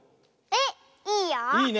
えっいいよ。